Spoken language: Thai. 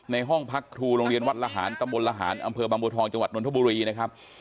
ห้องพักครูโรงเรียนวัดละหารตำบลละหารอำเภอบางบัวทองจังหวัดนทบุรีนะครับ